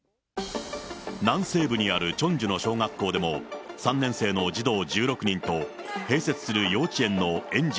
南西部にあるチョンジュの小学校でも、３年生の児童１６人と、併設する幼稚園の園児